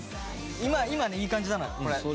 今今ねいい感じだなこれ。